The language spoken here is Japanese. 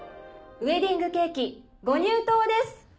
ウエディングケーキご入刀です。